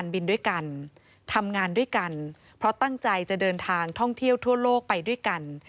บินด้วยกันทำงานด้วยกันเพราะตั้งใจจะเดินทางท่องเที่ยวทั่วโลกไปด้วยกัน